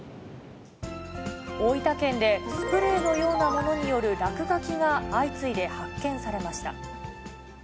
大分県でスプレーのようなものによる落書きが相次いで発見されました。